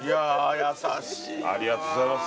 ありがとうございます。